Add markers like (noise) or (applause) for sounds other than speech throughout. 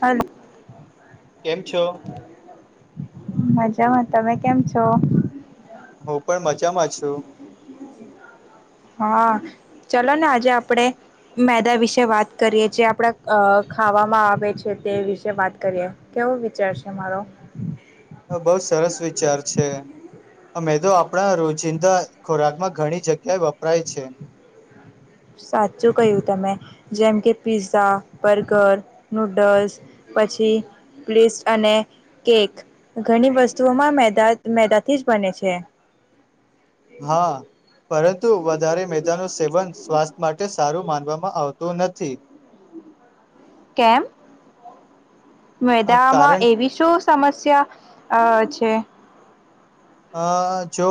હલ કેમ છો? મજામાં તમે કેમ છો? હું પણ મજામાં છું. હા ચલો ને આજે આપણે મેદા વિશે વાત કરીએ જે આપડા ખાવામાં આવે છે તે વિશે વાત કરીએ કેવો વિચાર છે મારો હ બહુ સરસ વિચાર છે. અમેદો આપણા રોજિંદા ખોરાકમાં ઘણી જગ્યાએ વપરાય છે. સાચું કહું તમે જેમ કે પિઝા, બર્ગર, નુડલ્સ પછી પ્લીસ્ટ અને કેક ઘણી વસ્તુઓમાં મેદા મેદાથી જ બને છે. (inaudible) હા પરંતુ વધારે મેદાનું સેવન સ્વાસ્થ્ય માટે સારું માનવામાં આવતું નથી. કેમ મેડા મા કારણ એવી શું સમસ્યા અ છે અ જો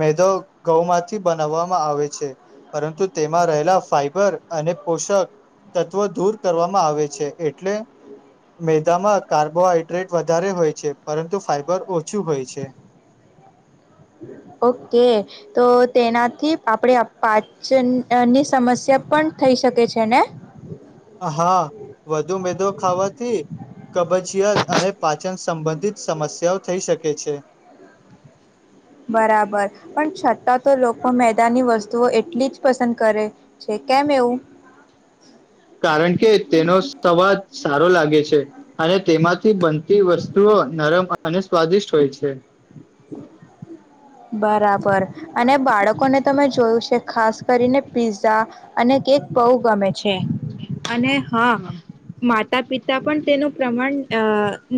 મેદો ઘઉંમાંથી બનાવવામાં આવે છે. પરંતુ તેમાં રહેલા ફાઈબર અને પોષક તત્વ દૂર કરવામાં આવે છે એટલે મેદામાં કાર્બોહાઈડ્રેટ વધારે હોય છે પરંતુ ફાઈબર ઓછું હોય છે. (inaudible) (inaudible) ઓકે તો તેનાથી આપણે પાચન અની સમસ્યા પણ થઈ. શકે છે ને હા વધુ મેદો ખાવાથી કબજીયાત અને પાચન સંબંધિત સમસ્યાઓ થઈ શકે છે. (inaudible) બરાબર પણ છતાં તો લોકો મેદાની વસ્તુઓ એટલી જ પસંદ કરે છે. કેમ એવું (inaudible) કારણ કે તેનો સવાદ સારો લાગે છે અને તેમાંથી બનતી વસ્તુઓ નરમ અને સ્વાદિષ્ટ હોય છે. બરાબર અને બાળકોને તમે જોયું છે. ખાસ કરીને પિઝા અને કેક બહુ ગમે છે અને હા માતા પિતા પણ તેનું પ્રમાણ અ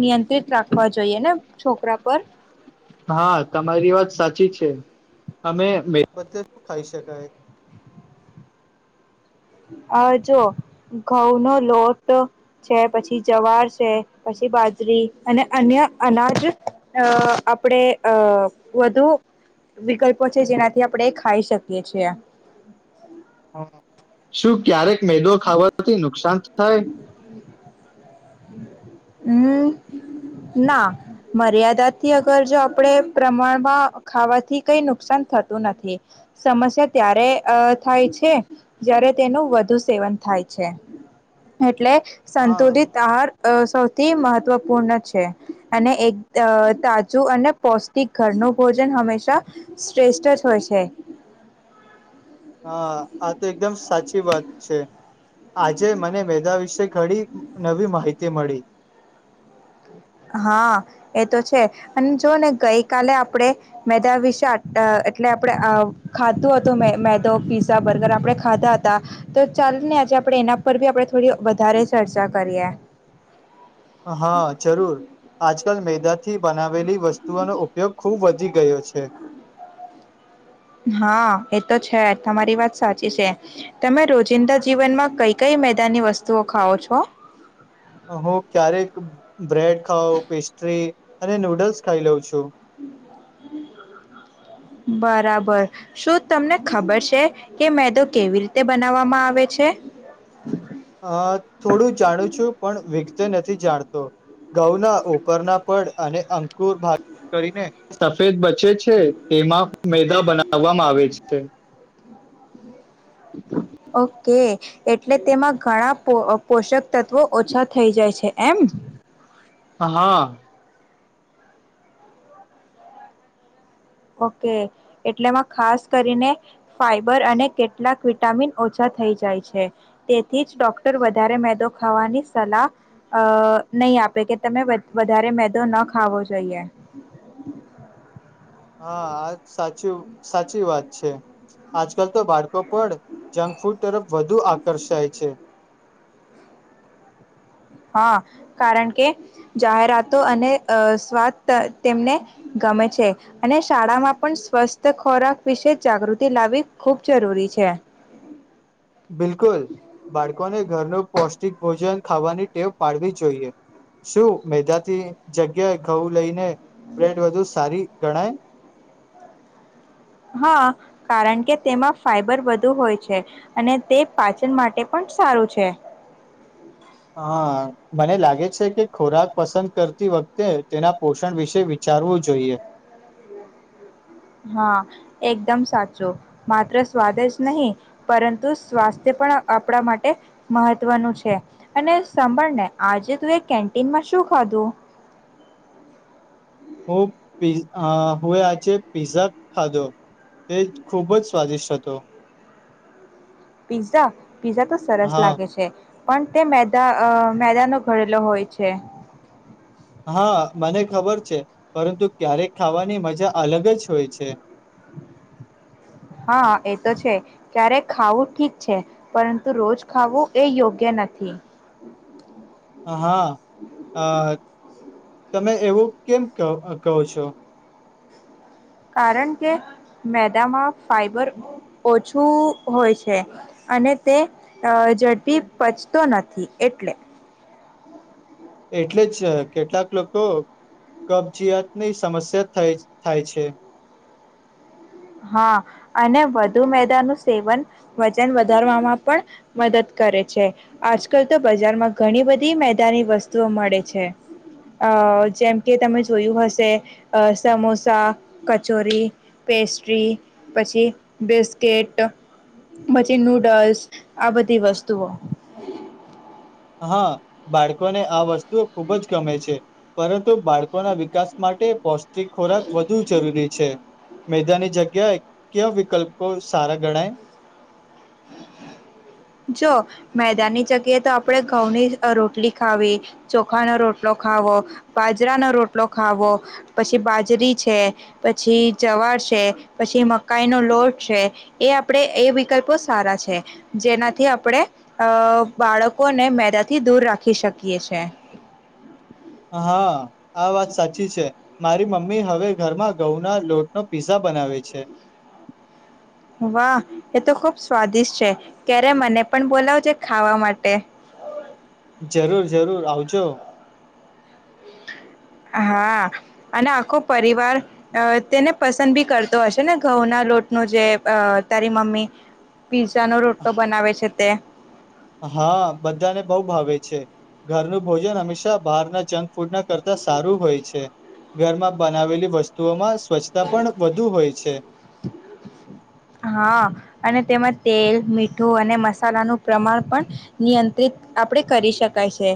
નિયંત્રિત રાખવા જોઈએ ને છોકરા પર હા તમારી વાત સાચી અમે મેત (unintelligible) શું ખાઈ શકાય અ જો ઘઉં નો લોટ છે, પછી જવાર છે, પછી એ બાજરી અને અન્ય અનાજ અ આપણે અ વધુ વિકલ્પો છે જેનાથી આપણે ખાઈ શકીએ છીએ. શું ક્યારેક મેદો ખાવાથી નુકસાન થ (unintelligible) હમમ ના મર્યાદા થી અગર જો આપણેે પ્રમાણમાં ખાવાથી કઈ નુકસાન થ તો નથી સમસ્યા ત્યારે અ થાય છે જય્યારે તેનું વધુ સેવન થાય છે એટલે હા સંતુલિત આહાર અ સૌથી મહત્વપૂર્ણ છે એક ત અને તાજું અને પૌષ્ટિક ઘરનું ભોજન હંમેશા શ્રેષ્ઠ જ હોય છે (inaudible) હા આ તો એકદમ સાચી વાત છે આજે મને મેદા વિશે ઘડી નવી માહિતી મળી હા એ તો છે અને જો ને ગઈ કાલે આપણેે મેદા વિશે આ એટલે આપણે આ ખાધું હતું મે મેદો પિઝા બર્ગર આપડણે ખાધા હતા તો ચાલ ને આજે આપણે એના પર ભી આપણે થોડી વધારે ચર્ચા કરીએ (inaudible) હા જરૂર આજકલ મેદાથી બનાવેલી વસ્તુઓનો ઉપયોગ ખૂબ વધી ગયો છે હા એ તો છે તમારી વાત સાચી છે તમે રોજિંદા જીવનમાં કઈ કઈ મેદાનની વસ્તુઓ ખાઓ છો હું ક્યારેક બ્રેડ ખાઉ પેસ્ટ્રી અને નૂડલ્સ ખાઈ લેઉ છું (unintelligible) (inaudible) બરાબર શું તમને ખબર છે કે મેદો કેવી રીતે બનાવવામાં આવે છે (inaudible) તે નથી જાણતો ઘઉના ઉપરના પડ અને અંકુર ભાગ કરીને સફેદ બચે છે તેમાં મેદા બનાવવામાં આવે છે ઓકે એટલે તેમાં ઘણા પો પોષક તત્વો ઓછા થઈ જાય છે એમ હા ઓકે એટલેમાં ખાસ કરીને ફાઈબર અને કેટલાક વિટામિન ઓછા થઈ જાય છે તેથી જ ડોક્ટર વધારે મેદો ખાવાની સલાહ અ નહી આપે કે તમે બધા વધારે મેદો ન ખાવો જોઈએ હા આ સાચી સાચી વાત છે આજકલ તો બાળકો પણ જંક ફૂડ તરફ વધુ આકર્ષાય છે હા કારણ કે જાહેરાતો અનેઅ સ્વાદ તેમને ગમે છે અને શાળામાં પણ સ્વસ્થ ખોરાક વિશે જાગૃતિ લાવવી ખૂબ જરૂરી છે બિલકુલ બાળકોને ઘરનો પૌષ્ટિક ભોજન ખાવાની ટેવ પાડવી જોઈએ શું મેદાથી જગ્યાએ ઘઉં લઈ ને બ્રેડ વધુ સારી ગણાય હા કારણ કે તેમાં ફાઈબર વધુ હોય છે અને તે પાચન માટે પણ સારું છે (inaudible) હા મને લાગે છે કે ખોરાક પસંદ કરતી વખતે તેના પોષણ વિશે વિચારવું જોઈએ હા એકદમ સાચું માત્ર સ્વાદ જ નહીં પરંતુ સ્વાસ્થ્ય પણ આપણા માટે મહત્વનું છે અને સાંભળને આજે તું એ કેન્ટીનમાં શું સુ ખાધુ (inaudible) હુ પી અ હોયે આજે પિઝ્ઝા ખાધો તે જ ખૂબ જ સ્વાદિષ્ટ હતો. પિઝા પીઝા તો સરસ હા લાગે છે. પણ તે મેદા અ મેદાનો ઘડેલો હોય છે‌. હા મને ખબર છે પરંતુ ક્યારેક ખાવાની મજા અલગ જ હોય છે. (inaudible) હા એ તો છે ક્યારેક ખાવું ઠીક છે પરંતુ રોજ ખાવું એ યોગ્ય નથી. (inaudible) હા અ તમે એવું કેમ ક કહો છો કારણ કે મેદામાં ફાઈબર ઓછું હોય છે. અને તે અ ઝડપી પચતો નથી એટલે એટલે જ કેટલાક લોકો કબજયાતની સમસ્યા થાય થાય છે. હા અને વધુ મેદાનુ સેવન વજન વધારવામાં પણ મદદ કરે છે આજકાલ તો બજારમાં ઘણી બધી મેદાની વસ્તુઓ મળે છે. અ જેમ કે તમે જોયું હશે અ સમોસા કચોરી પેસ્ટ ટ્રી પછી બિસ્કેટ પછી નૂડલ્સ આ બધી વસ્તુઓ હા બાળકોને આ વસ્તુઓ ખુબ જ ગમે છે પરંતુ બાળકોના વિકાસ માટે પો સ્ટીક ખોરાક વધુ જરૂરી છે‌. મેદાની જગ્યા ક્ય વિકલ્પો સારા ગણાય જો મેદાનની જગ્યાએ તો આપણેે ઘઉની રોટલી ખાવી ચોખાનો રોટલો ખાવો બાજરાનો રોટલો ખાવો પછી બાજરી છે પછી જવા પછી મકાઈ નો લોટ છે એ આપણે એ વિકલ્પો સારા છે જેના થી આપણે અ બાળકોને મેદાથી દૂર રાખી શકીએ છે. હા આ વાત સાચી છે મારી મમ્મી હવે ઘરમાં ઘઉં ના લોટનો પીઝા બનાવે છે. વાહ એ તો ખુબ સ્વાદિષ્ટ છે ક્યારે મને પણ બોલાવજ ખાવા માટે જરૂર જરૂર આવજો હા અને આખો પરિવાર અ તેને પસંદ ભી કરતો હશે ને ઘઉંના લોટ નો જે અ તારી મમ્મી પીઝાનો રોટોલો બનાવે છે તે હા બધાને બોવ ભાવે છે. ઘરનું ભોજન હંમેશા બહારના જંક ફૂડના કરતા સારું હોય છે. ઘરમાં બનાવેલી વસ્તુઓમાં સ્વચ્છતા પણ વધુ હોય છે હા અને તેમાંજ તેલ મીઠું અને મસાલાનું પ્રમાણ પણ નિયંત્રિત આપણે કરી શકાય છે.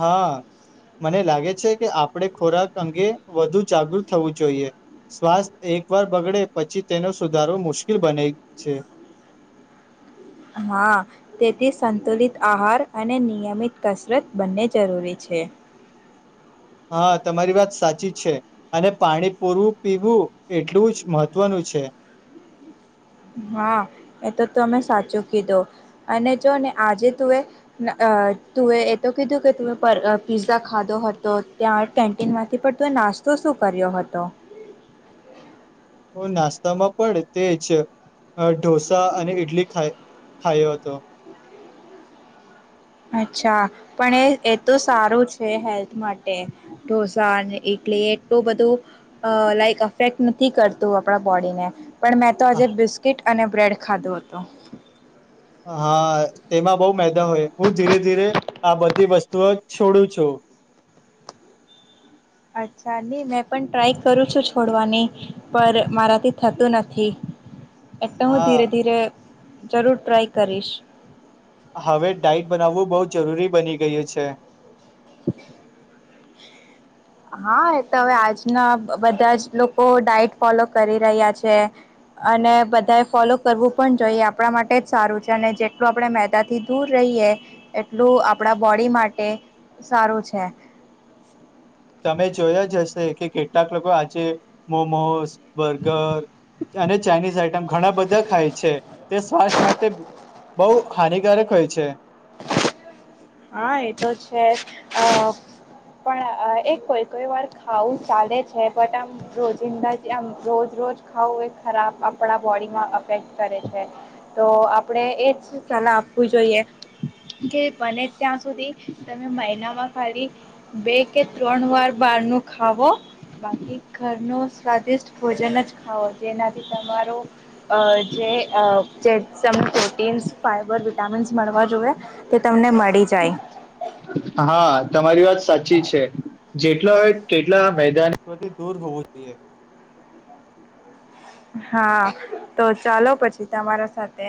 હા મને લાગે છે કે આપણે ખોરાક અંગે વધુ જાગૃત થવું જોઈએ. સ્વાસ્થ્ય એકવાર બગડે પછી તેનો સુધારવો મુશ્કેલ બને છે. હા તેથી સંતુલિત આહાર અને નિયમિત કસરત બંને જરૂરી છે. છે. હા તમારી વાત સાચી છે અને પાણી પૂરવું પીવું એટલું જ મહત્વનું છે. હા એ તો તમે સાચું કીધું અને જો ને આજે તું એ અ તું એ એ તો કીધું કે પર પીઝા ખાધો હતો ત્યાં કેન્ટીન માંથી પણ તુંએ ના નાસ્તો શું કર્યો હતો. હ નાસ્તામાં પણ તેજ અ ઢોસા અને ઈડલી ખાઈ ખાયો હતો. અચ્છા પણ એ એ તો સારું છે હેલ્થ માટે ઢોસા ને ઈ ટલી એક તો બધું અ લાઈક અફેક્ટ નથી કરતું આપડા બોડીને. પણ મેં તો આજે બિસ્કીિટ અને બ્રેડ ખાધો હતો. હા તેમાં બહ મેદા હોય હું ધીરે ધીરે આ બધી વસ્તુઓ છોડુ છું. અચ્છા નહી મેં પણ ટ્રાય કરું છું છોડવાની પર મારાથી થતું નથી. એટલે હું ધીરે હા ધીરે જરૂર ટ્રાય કરીશ. હવે ડાઇટ બનાવવું બઉ જરૂરી બની ગયું છે. (inaudible) હા એ તો હવે આજના બધા જ લોકો ડાયટ ફોલો કરી રહ્યા છે. અને બધા ફોલો કરવું પણ જોઈએ આપડા માટે જ સારું છે અને જેટલું આપણે મેદા થી દૂર રહ હિયે એટલું આપડા બોડી માટે સારું છે. તમે જોયા જ હશે કે કેટલાક લોકો આજે મોમોસ. બર્ગર. અને ચાઇનીઝ આઈટમ ઘણા બધા ખાય છે તે સ્વાસ્થ માટે બઉ હાનિકારક હોય છે. હા એતો છે અ પણ એ કોઈ કોઈ વાર ખાવું ચાલે છે બટ આમ રોજિંદા આમ રોજ રોજ ખાવું એ ખરાબ આપડા બોડીમાં અફેક્ટ કરે છે. તો આપડે એજ સલાહ આપવું જોઈએ. કે બને ત્યાં સુધી તમે મહિના માં ખરી બે કે ત્રણ વાર બાર નું ખાવો. બાકી ઘર નું સ્વાદિષ્ટ ભોજન જ ખાાવો જેનાથી તમારો અ જે એ અ (unintelligible) ટીન્સ ફાઈબર વિટામીન્સ મળવા જોઈએ તે તમને મળી જાય. ચી છે જેટલા હોય તેટલા મેદાનથી દૂર હોવું જોઈએ. હા તો ચાલો પછી તમારા સાથે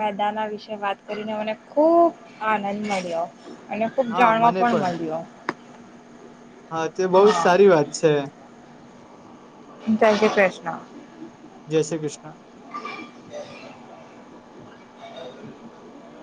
મેદાના વિશે વાત કરીને ખૂબ આનંદ મળ્યો અને ખૂબ હા જાણવા મને પણ મળ્યો. હા તે બહ જ હા સારી વાત છે. જય શ્રી કૃષ્ણ. જય શ્રી કૃષ્ણ. (inaudible)